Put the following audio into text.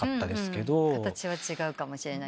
形は違うかもしれない。